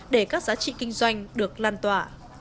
để các giá trị kinh doanh được lan tỏa